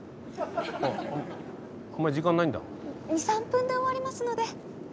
２３分で終わりますので。